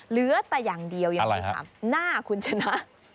เหลือแต่อย่างเดียวหน้าคุณชนะ